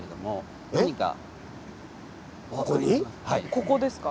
ここですか？